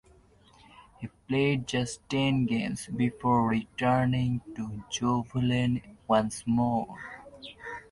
He played just ten games before returning to Zvolen once more.